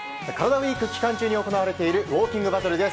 ＷＥＥＫ期間中に行われているウォーキングバトルです。